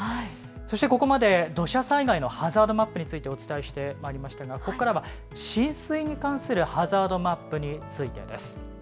そしてここまで土砂災害のハザードマップについてお伝えしてまいりましたがここからは浸水に関するハザードマップについてです。